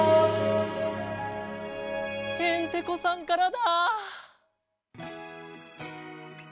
ヘンテコさんからだ。